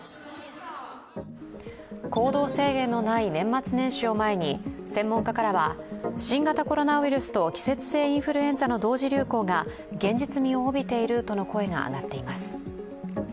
行動制限のない年末年始を前に専門家からは新型コロナと季節性インフルエンザの同時流行が現実味を帯びているとの声が上がっています。